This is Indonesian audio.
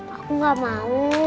aku gak mau